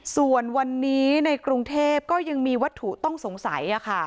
ส่วนวันนี้ในกรุงเทพก็ยังมีวัตถุต้องสงสัย